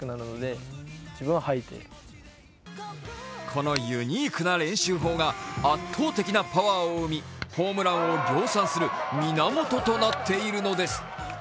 このユニークな練習法が圧倒的なパワーを生みホームランを量産する源となっているのです。